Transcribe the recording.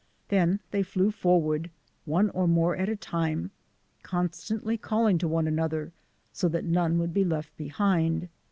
Then they flew forward, one or more at a time, constantly calling to one another so that none would be left behind.